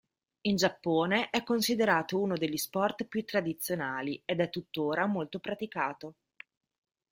In Giappone è considerato uno degli sport più tradizionali ed è tuttora molto praticato.